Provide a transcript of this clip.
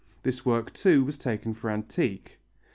This work, too, was taken for antique.